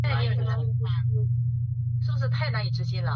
凯撒被描述为穿着伊丽莎白时代的紧身衣而不是罗马宽外袍。